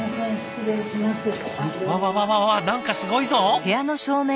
わわわわわ何かすごいぞ！